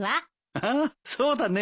ああそうだね。